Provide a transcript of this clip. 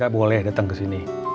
gak boleh datang kesini